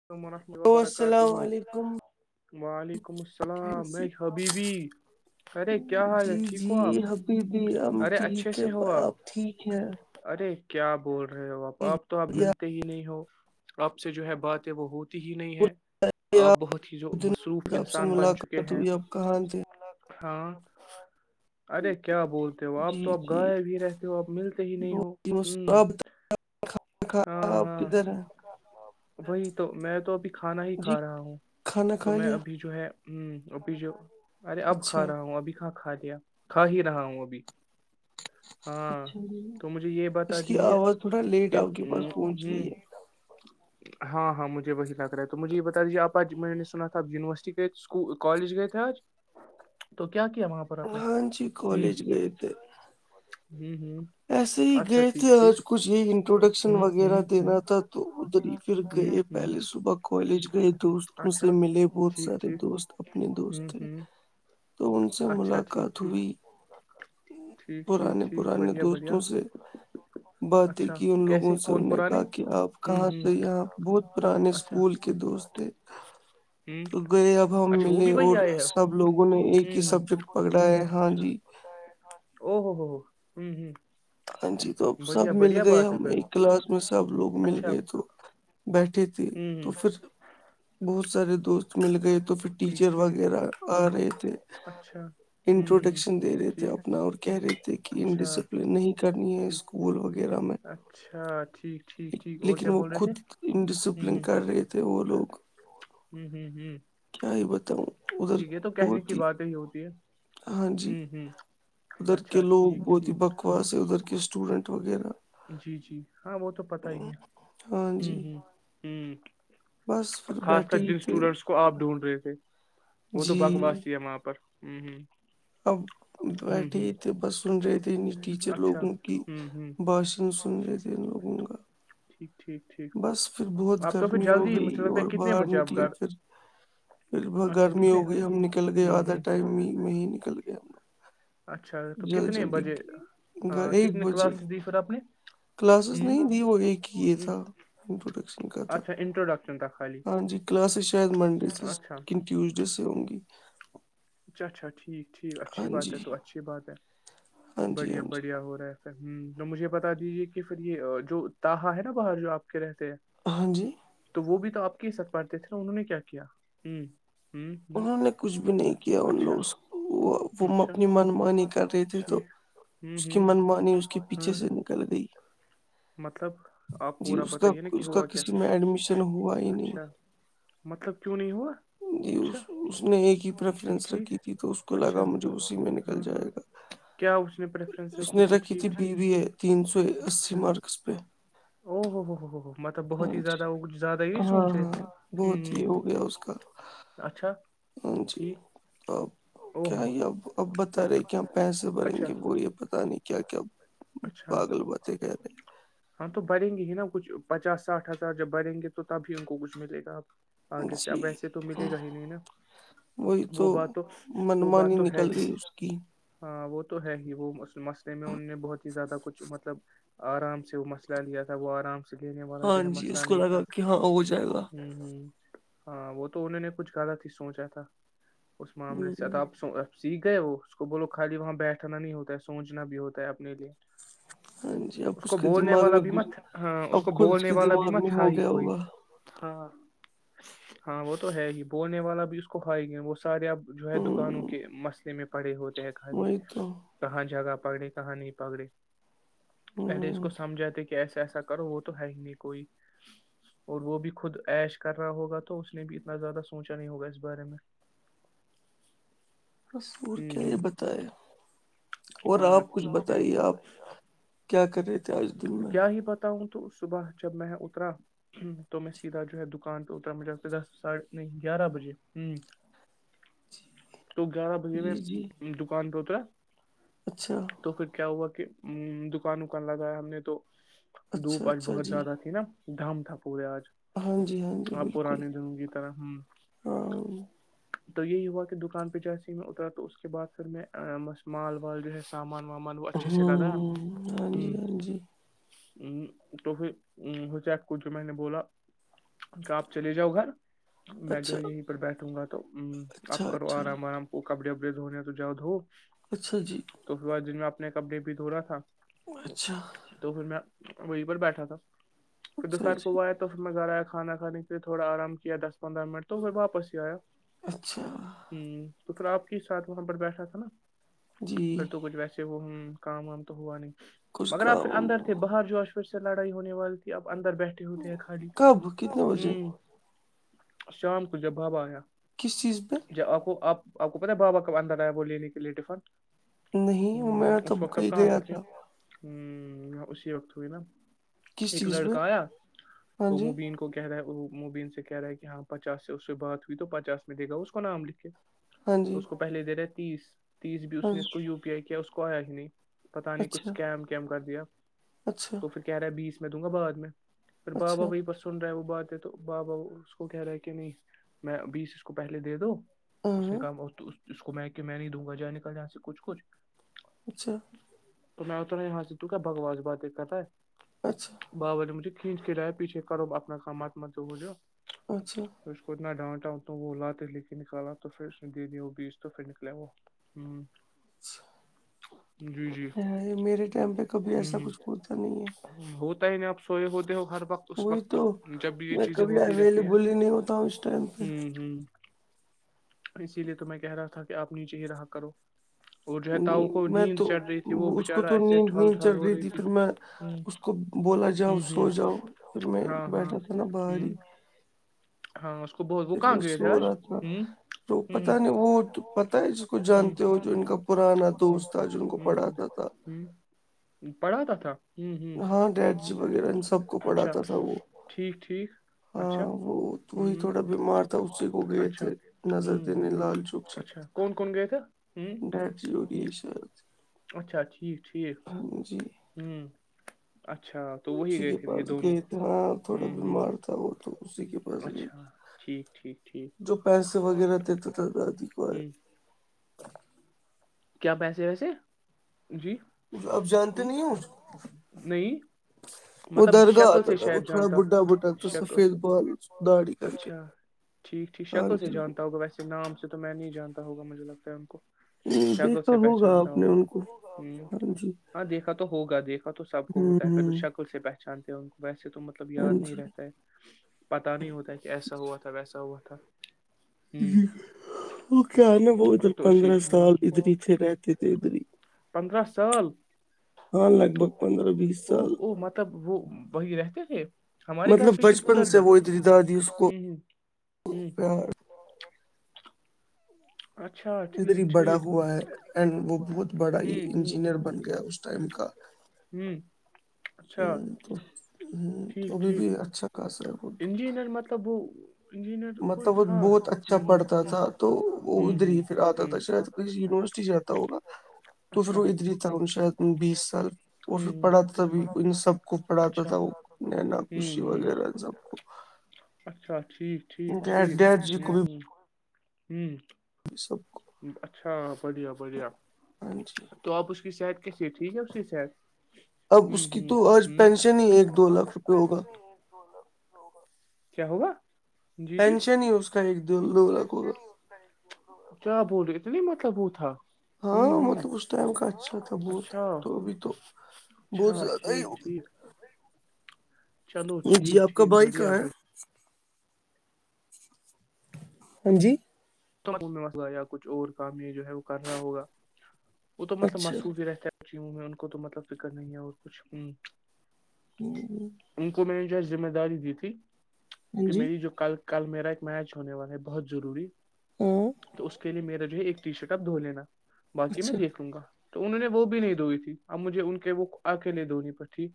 وتو منستحو و ہلو برکاتہ السلام علیکم وعلیکم السلام کیسے میں حبیبی ارے کیا حال ہے جی ٹھیک جی ہو آپ حبیبی ہم ارے ٹھیک اچھے ہے سے ہو آپ ٹھیک ہے ارے کیا بول رہے ہو آپ آپ تو آپ ملتے ہی نہیں ہو آپ سے جو ہے بات ہوتی ہی نہیں آپ ہے آپ بہت ہی جو دن مصروف بعد آپ سے انسان بن چکے ملاقات ہیں ہوئی آپ کہاں تھے ہاں ارے کیا بولتے ہو آپ جی تو آپ جی غائب ہی رہتے ہو آپ ملتے ہی نہیں ہو بہت ہی ہوں مصروف۔ آپ بتائیں، کھانا ہاں کھایا آپ ہاں کدھر ہیں وہی تو میں تو ابھی کھانا ہی جی کھا رہا ہوں کھانا تو کھا میں لیا ابھی جو ہے ہمم ابھی جو ارے اب اچھا کھانا ہوا ابھی کہا کھا لیا کھا ہی رہا ہوں ابھی ہاں اچھا تو مجھے یہ بتا اس کی دیجے آواز تھوڑا لیٹ کہ آپ کے پاس پہنچ رہی ہوں ہے ہاں ہاں مجھے وہی لگ رہا ہے تو مجھے یہ بتا دیجے آج میں نے سنا تھا آپ یونیورسٹی گئے کالج گئے تھے آج تو کیا کیا وہاں پر اپ نے ہاں جی ہمم کالج گئے تھے ہمم ایسے ہی گئے تھے آج کچھ یہ ہ انٹروڈکشن ہ وغیرہ دینا ہ تھا تو ادھر ہی پھر گئے پہلے صبح کالج گئے دوست ان سے اچھا ملے بہت ٹھیک سارے ٹھیک دوست اپنے دوست ہ تھ ہ تو ان سے اچھا ملاقات ٹھیک ٹھیک ہوئی ٹھیک ٹھیک پرانے ٹھیک پرانے بڑھیا بڑھیا دوستوں سے باتیں اچھا کی ان لوگوں کیسے سے کون ان نے پرانے کہا کہ آپ ہوں کہاں ہوں سے یہاں بہت پرانے اچھا اسکول کے دوست ہوں تو گئے اب ہم اچھا وہ ملے بھی وہی اور آئے ہے سب ہوں لوگوں نے ایک ہی ہ سبجیکٹ پکڑا ہے ہاں جی او ہوو ہو ہو ہوں ہوں ہاں جی تو اب سب مل گئے ہے ہم پھر ایک کلاس میں سب لوگ مل اچھا گئے تو بیٹھے تھی ہوں ہ تو پھر بہت سارے دوست مل گئے تو پھر ٹھیک ٹیچر ٹھیک وغیرہ آ رہے تھے اچھا ہوں انٹروڈکشن دے ہ رہے تھے ٹھیک اپنا اور کہہ رہے تھے کہ ان اچھا ڈسپلن نہیں کرنی ہے اسکول وغیرہ میں اچھا ٹھیک ٹھیک ٹھیک اور کیا لیکن وہ بول رہے تھے خود ہم انڈسپلن ہم کر رہے تھے وہ لوگ ہوں ہوں ہوں کیا ہی بتاؤں ادھر ٹھیک ہے تو کہنے بہت کی بات ہی ہوتی ہے ہاں جی ہوں ہوں ادھر کے اچھا لوگ ٹھیک بہت ہی بکواس ہے ادھر کے اسٹوڈینٹ وغیرہ جی جی ہاں وہ تو پتا ہی ہے ہاں جی ہمم بس پھر خاص بیٹھے کر ہی جن تھے اسٹوڈینٹس کو آپ ڈھونڈ رہے تھے وہ تو بکواس جی ی سی ہے وہاں پر ہوں ہوں اب بیٹھے ہی تھے بس سن رہے تھے ٹیچر اچھا لوگوں کی ہوں ہوں بھاشن سن رہے تھے ان لوگوں کا ٹھیک ٹھیک ٹھیک بس پھر بہت آپ تو پھر گرمی ہو جلدی گئی مجھے لگتا ہے اور کتنے باہر بجے آپ نکلے گھر پھر پھر بہت اچھا گرمی ہو کتنے گئی ہم نکل گئے ہوں آدھا ہوں ٹائم میں میں ہی نکل گئے ہم اچھا تو لوگ جلد کتنے جلدی بجے ہاں کتنے کلاسز لی پھر آپ نے کلاسسز ہوں نہیں دی ہوگی وہ ایک یہ تھا انٹروڈکشن کا تھا اچھا انٹروڈکشن تھا خالی ہاں جی کلاسسز شاید منڈے اچھا سے اچھا کن ٹیوزڈے سے ہوں گی اچھا اچھا ٹھیک ٹھیک اچھی ہاں بات جی ہے تو اچھی بات ہے ہاں جی ہاں بڑھیا جی بڑھیا ہو رہا ہے ہ تو مجھے بتا دیجیے کہ پھر یہ جو تہا ہے نا باہر جو آپ کے رہتے ہیں ہاں جی تو وہ بھی تو آپ کے ہی سر پڑتے تھے نا انہوں نے کیا کیا ہ ہ ہ انہوں نے کچھ بھی نہیں کیا ان اچھا لوگ وہ اچھا اپنی من مانی کر رہے تھے تو ٹھیک ہوں اس کی ہوں من مانی اس کے پیچھے ہاں سے نکل گئی مطلب آپ جی پورا اس کا بتائیے نا کہ اس کا ہوا کیا کسی میں ایڈمیشن ہوا ہی نہیں اچھا مطلب کیوں نہ جی ہواچھا اس اس نے ایک ہی پریفرینس رکھی تھی تو اس کو اچھا لگا مجھے اسی میں نکل ہاں ہاں جائے گا کیا اس نے پریفرینس اس رکھی نے تھی ٹھ بی بی ہے تین سو اسی اچھا مارکس پہ او ہو ہو ہو ہو مطلب ہاں بہت ہی جی زیادہ وہچ زیادہ یہ ہاں سوچے ہاں تھے بہت ہی ہو گیا اس کا ہ اچھا ہاں جی ٹھیک اب او کیا ہو یہ اب اب بتا رہے کیا پیسے بھریں اچھا گے وہ یہ پتتا نہیں کیا کیا اچھا پاگل باتیں کہہ رہے ہاں تو بریں گی ہی نا کچھ پچاس ساٹھ ہزار جب بریں گے تو تب ہی ان کو کچھ ملے گا آپ آگے سے اب جی ایسے تو ملے گا ہی نہیں نا وہی تو وہ بات وہ منمانی بات تو ہے نکل ہی گئی اس کی ہاں وہ تو ہے ہی وہ مسئلے میں ان نے بہت زیادہ کچھ مطلب آرام سے وہ مسئلہ لیا تھا وہ آرام سے س گنے والا جو ہاں ہے جی اس مسئلہ کو نہیں تھا لگا کہ ہاں ہو جائے گا ہ ہ ہاں وہ تو انہوں نے کچھ غلط ہی سوچا تھا اس معاملے ہ سے ا آپ سیکھ گئے وہ اس کو بولو خالی وہاں بیٹھنا نہیں ہوتا ہے سوچنا بھی ہوتا ہے اپنے لیے ہاں جی اب اس کو کے بولنے دماغ والا میں بھی گز مت ہاں اس اب کو خود بولنے کے والا بھی دماغ مت میں ہے ہو ہی گیا کوئی ہوگا ہاں ہاں وہ تو ہے ہی بونے والا بھی اس کو کھائے گے وہ سارے اب جو ہے دکانوں ہ کے مسئلے میں پڑے ہوتے ہیں خالی وہی تو کہاں جگہ پگڑے کہاں نہیں پگڑے پہلے اس ہ کو سمجھاتے کہ ایسا ایسا کرو وہ تو ہے ہی نہیں کوئی اور وہ بھی خود ایش کرنا ہوگا تو اس نے بھی اتنا زیادہ سوچا نہیں ہوگا اس بارے میں [inaudible] بس اور ہوں کیا یہ ہوں بتائے اور ہاں آپ کچھ ٹھیک ٹھیک بتائیے آپ کیا کر رہے تھے آج دن میں کیا بتاؤں تو صبح جب میں اترا ہ تو میں سیدھا جو ہے دکان پہ اترا م جا دس ساھے نہیں گیارہ بجے ہ تو گیارہ بجے جی میں جی دکان پہ اترا اچھا تو پھر کیا ہوا کہ دکان وکان لگایا ہم نے تو اچھا دھوپ آج اچھا بہت جی زیادہ تھی نا دھم تھا پورے آج ہاں جی ہاں جی آپ بالکل پرانے دن کی طرح ہاں تو یہی ہوا کہ دکان پہ جیسے ہی میں اترا تو اس کے بعد پھر میں بس مال و جو ہے سامان وامان اچھے ہ سے لگایا ہاں جی ہاں جی تو پھر حذیف کو جو میں نے بولا کہ آپ چلے جاؤ گھر میں جو اچھا ہے یہیں پر بیٹھوں گا تو آپ اچھا کرو اچھا آرام آرام وہ کپڑے وپڑے دھونے تو جاؤ دھو اچھا جی تو پھر دن میں اپنے کپڑے بھی دھو رہا تھا اچھا تو پھر میں وہیں پر بیٹھا تھا پھر اچھا دوپہر کو جی ہوا آیا تھا توھر میں گھر آیا کانا کھے کے لیے تھوڑا آرام کیا دس پندرہ منٹ تو پھر واپس ہی آیا اچھا تو پھر آپ کے ساتھ وہاں پر بیٹھا تھا نا جی پھر تو کچھ ویسے وہ کام وام تو ہوا نہیں کچھ مگر آپ کام پھر وام اندر تھے ہوا۔ باہر جو پھر سے لڑائی ہونے والی تھی اب اندر بیٹھے ہوتے ہیں خالی کب کتنے بجے شام کو جب بابا آیا کس چیز پہ جب آپ کو آپ آپ کو پتا بابا کاب اندر آیا وہ لینے کے لیے ٹفن نہیں میں تب اس وقت ہی آپ کہاں گیا پر تھے تھا اسی وقت ہوئے نا کس ایک چیز پہ لڑکا آیا ہاں تو جی مبین کو کہہ رہا ہے مبین سے کہہ رہا ہے کہ ہاں پچاس سے اس سے بات ہوئی تو پچاس میں دے گا اس کو نام لکھے ہاں تو جی اس کو پہلے دے رہے تیس تیس بھی ہاں اس نے اس جی۔ کو یو پی آئی کیا اس کو آیا ہی نہیں پتہ نہیں کچھ اچھا سکیم کر دیا اچھا تو پھر کہہ رہا ہے بیس میں دوں گا بعد میں پھر باہا اچھا وہی بس سن رہا ہے وہ بات ہے تو بابا اس کو کہہ رہا ہے کہ نہیں میں بیس اس کو پہلے دے دو اس نے ہاں کہا اس کو میں کہ میں نہیں دوں گا جائے نکل جاں سے کچھ کچھ اچھا تو میں اترا یہاں سے تو کیا بگواس بات دیکا تھا ہے اچھا باب بولے مجھے کھینچ کےلاایا پیچھے کرو اپنا کام اچھا پھر اس کو اتنا ڈانٹا تووں وہ لاتے لے کے نکالا تو پھر اس نے دے دییا وہ بیچ تو پھر نکلے وہ ہوں اچھا جی جی میرے ٹائم پہ کبھی ایسا ہ کچھ ہوتا نہیں ہے ہوتا ہی نہیں آپ سوئے ہوتے ہو ہر وقت اس وقت تو جب بھی یہ میں چیزیں کبھی ہوتی رہتی ہیں اویلیبل ہی نہیں ہوتا ہوں اس ٹائم پہ ہوں ہوں اسی لیے تو میں کہہ رہا تھا کہ آپ نیچے ہی رہا کرو اور جو ہے تاؤ نہیں کو میں نیند تو چڑھ رہی تھی وہ اس کو بےچارا تو ایسے نیند ٹھل نیند ٹھل چڑ ہو رہی تھی پھر میں ہ اس کو بولا ہ جاؤ سو جاؤ پھر میں ہاں ہاں بیٹھا تھا نا ہ بہر ہی ہاں اس کو بہت وہ کہاں گئے تھے سو آج رہا تھا ہ تو ہ پتہ نہیں وہوٹ تو پتہ ہے جس کو ہ جانتے ہو جو ان کا پرانا دوست تھا جو ان کو ہ پڑھاتا تھا ہ پڑھاتا تھا ہ ہاں ڈیڈ جی وغیرہ ان سب کو اچھا پڑھاتا تھا وہ ٹھیک ٹھیک ہاں اچھا وہ ہ وہی تھوڑا بیمار تھا اسی کو گئے اچھا تھے ہ نظر دینے لال چوک سے اچھا کون کون گئے تھے ڈیڈ جی ہو رہی ہے اچھا ٹھیک ٹھیک اور جی ہوں اچھا تو وہی اسی گئے کے تھے یہ پاس دونوں گئے تھے ہاں ہوں تھوڑا ہ بیمار تھا وہ تو اسی کے پاس گئے اچھا تھے۔ ٹھیک ٹھیک ٹھیک جو پیسے وغیرہ دی تو تد کو ہ ہے کیا پیسے ویسے جی اب ہ جانتے نہیں ہو اس کو نہیں ہاں وہ مطلب درگاہ شکل آتا سے تھا وہ شاید تھوڑا جانتا بڈھا بڈھا تھا شکل سفید سے بال داڑھی کر کے اچھا ٹھیک ٹھیک ہاں شکل سے جی جانتا ہوگا ویسے نام سے تو میں نہیں جانتا ہوگا مجھے لگتا ہے ان کو کیاگ دیکھا سے پہچانتا آپ نے ہوگا ان کو ہ ہاں جی ہاں دیکھا تو ہوگا دیکھا تو سب کو ہوں ہوتا ہے پھر تو ہ شک کل سے پہچانتے ہیں ان کو ویسے تو مطلب ہاں یاد نہیں جی رہتا ہے پتا نہیں ہوتا کہ ایسا ہوا تھا ویسا ہوا تھا ہ جی وہ کیا ہے نا وہ ادھر تو اسی پندرہ سال ادھر ہی تھے رہتے تھے ادھر ہی پندرہ سال ہاں لگ بھگ پندرہ بیس سال او مطلب وہ وہی رہتے تھے ہمارے گھر مطلب پہ کہ بچپن ادھر سے ادھر وہ ہی، دادی اس کو ہ ہ اچھا ادھر ہی ٹھیک بڑا ٹھیک ہوا ہے اینڈ وہ بہت بڑا ہی ہوں ہوں انجینئر بن گیا اس ٹائم کا ہوں اچھا ہوں، تو ہ تو ابھی بھی اچھا خاصا ہے ب جینر مطلب وہ انجینئر کوئی مطلب وہ تھا ہ بہت اچھا ہ پڑھتا تھا تو وہ ہ ہ ادھر ہی پھر ہ آتا ہ تھا شاید یونیورسٹی جاتا ہوگا تو پھر اچھا وہ ادھر ہی تھا شاید بیس سال وہ ہ بھی ہ پڑھاتا تھا بھی ان سب کو پڑھاتا اچھا تھا وہ نینا ہوں خوشی ہوں وغیرہ ان سب کو اچھا ٹھیک ٹھیک ٹھیک ڈیڈ ہ ڈیڈ جی ہ ہوں یہ سب کو اچھا بڑھیا بڑھیا ہاں جی تو آپ اس کی سیٹ اچے ٹھیک ہے اس کی صحت اب اس ہوں کی ہوں تو آج ہوں پینشن ہی ایک دو لاکھ روپئے ہوگا کیا ہوگا جی جی پینشن ہی اس کا ایک دو ہ دو لاکھوں کا کیا بول رہے اتنے مطلب وہ تھا ہوں ہاں ہوں مطلب اس ٹائم کا اچھا تھا بہت اچھا تو ابھی تو اچھا بہت زیادہ ٹھیک ٹھیک ہی چلو ٹھیک جی آپ کا ٹھیک بھائی بڑھیا کہاں ہے بڑھیا ہاں جی یا کچھ اور کام یہ جو ہے وہ کر رہا ہوگا وہ تو مطلب اچھا مصروف ہی رہتا کچھیوں میں ان کو تو مطلب فکر نہیں ہے اور کچھوں ہوں ان کو میں نے جو ہے ذمہ داری دی تھی کہ جی میری جو کل کل میرا ایک میچ ہونے والا ہے بہت ضروری ہوں تو اس کے لیے میرا جو ہے ایک ٹی شرٹ آپ دھو لینا باقی میں اچھا دیکھ لوں گا تو انہوں نے وہ بھی نہیں دھوئی تھی اب مجھے ان کے وہ آکے لے دھونی پر تھی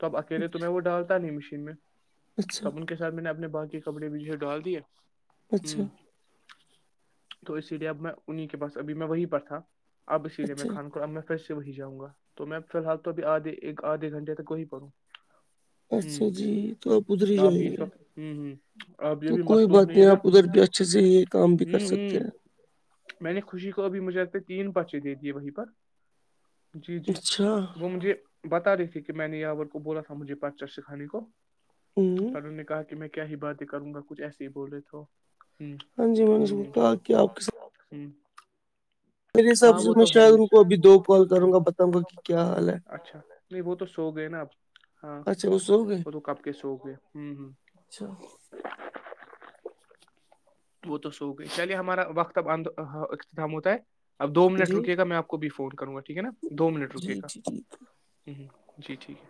تب اکیلے تو میں اچھا وہ ڈالتا نہیں مشین میں اچھا تب ان کے سر میں نے اپنے باغ کے کپڑے بھی جو ڈال دیے ہ اچھا تو اسی لیے اب میں انہیں کے پاس ابھی میں وہیں پر تھا اب اسی لیے میں اچھا خان کوور اب سے وہی جاں گا تو میں فی الحال تو ابھی آھے ایک آدھے گھنٹے تک وہی پرڑوں ہ اچھا جی تو ادھر ہی آپ بھی جائیں اس گے وقت ہ ہ اب یہ بھیھی مصروف نہیں ہے نا تھذ ہ ہوں میں نے خوشی کو ابھی مجھے پ تین بچے دے دیے وہیں پر جی جی اچھا وہ مجھے بتا رہی تھی کہ میں نے یاور کو بولا تھا مجھے پاچر سکھانے کو ہوں، پر ان نے کہا کہ میں کیا ہی باتیں کروں گا کچھ ایسے ہی بولے تو ہاں جی میں نے اس کو کہا کہ آپ کے ساتھ ہاں میرے حساب سے وہ میں تو ہے شاید ہی ان کو ابھی دو کال کروں گا بتاؤں گا کہ کیا حال ہے اچھا نہیں وہ تو سو گئے نا اب ہاں اچھا وہ سو گئے وہ تو کب کے سو گئے ہ ہ [inaudible] اچھا وہ تو سو گئی چلیے ہمارا وقتب اندام ہو اب دو منٹ جی رکے گا میں آپ کو بھی فون کروں گا ٹھیک ہے نا دو منٹ رکے جی گا جی ٹھیک ہوں ہوں جی ٹھیک ہے